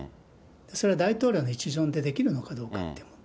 それは大統領の一存でできるのかどうかっていう問題。